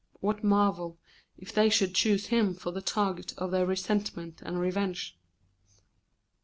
What marvel if they should choose him for the target of their resentment and revenge?